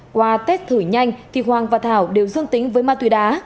qua tết thử nhanh thì hoàng và thảo đều dương tính với ma túy đá